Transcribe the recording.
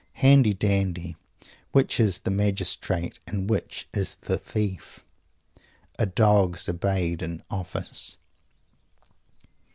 "Handy dandy, which is the Magistrate and which is the Thief?" "A dog's obeyed in office."